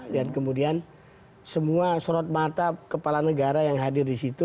kemudian semua sorot mata kepala negara yang hadir di situ